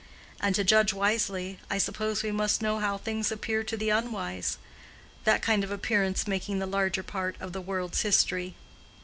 And to judge wisely, I suppose we must know how things appear to the unwise; that kind of appearance making the larger part of the world's history.